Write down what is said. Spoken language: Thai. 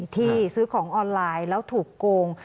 ที่ซื้อของออนไลน์แล้วถูกโกง